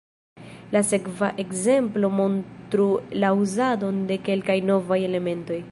La sekva ekzemplo montru la uzadon de kelkaj novaj elementoj.